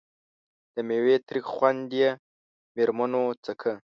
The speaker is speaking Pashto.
د میوې تریخ خوند یې مېرمنو څکه.